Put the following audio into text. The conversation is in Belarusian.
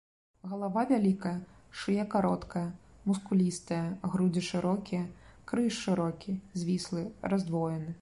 Галава вялікая, шыя кароткая, мускулістая, грудзі шырокія, крыж шырокі, звіслы, раздвоены.